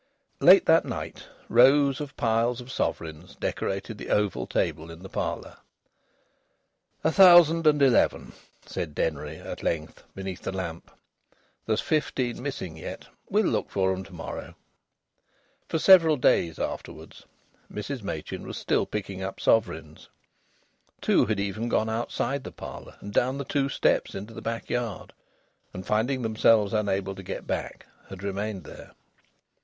Late that night rows of piles of sovereigns decorated the oval table in the parlour. "A thousand and eleven," said Denry, at length, beneath the lamp. "There's fifteen missing yet. We'll look for 'em to morrow." For several days afterwards Mrs Machin was still picking up sovereigns. Two had even gone outside the parlour, and down the two steps into the backyard, and finding themselves unable to get back, had remained there.